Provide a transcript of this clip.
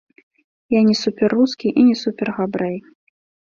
Я не супер-рускі і не супер-габрэй.